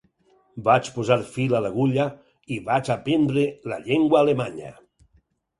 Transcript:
Vaig posar fil a l'agulla i vaig aprendre la llengua alemanya.